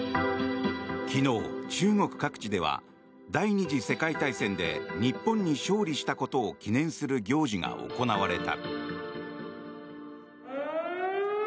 昨日、中国各地では第２次世界大戦で日本に勝利したことを記念する行事が行われた。